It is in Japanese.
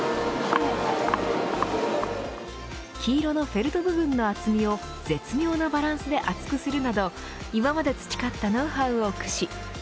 黄色のフェルト部分の厚みを絶妙なバランスで厚くするなど今まで培ったノウハウを駆使。